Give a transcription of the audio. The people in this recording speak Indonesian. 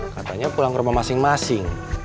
katanya pulang ke rumah masing masing